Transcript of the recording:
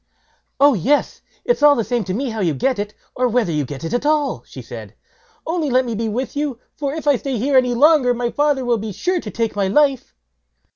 "Oh yes! it's all the same to me how you get it, or whether you get it at all", she said; "only let me be with you, for if I stay here any longer, my father will be sure to take my life."